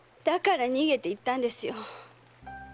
だから逃げていったんですよ。